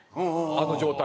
あの状態を。